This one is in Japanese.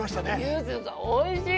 ゆずがおいしい！